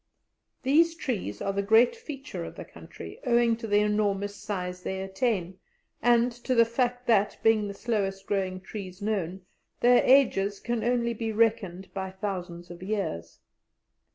These trees are the great feature of the country, owing to the enormous size they attain, and to the fact that, being the slowest growing trees known, their ages can only be reckoned by thousands of years.